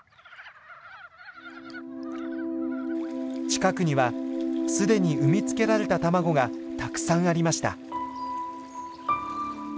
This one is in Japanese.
近くにはすでに産み付けられた卵がたくさんありました。